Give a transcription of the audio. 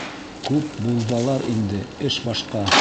Күп булҙалар инде — эш башҡа.